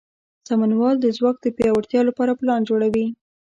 سمونوال د ځواک د پیاوړتیا لپاره پلان جوړوي.